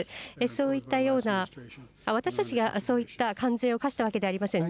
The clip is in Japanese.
そういったような、私たちがそういった関税を課したわけではありません。